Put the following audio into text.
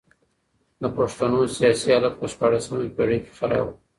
د پښتنو سیاسي حالت په شپاړلسمه پېړۍ کي خراب و.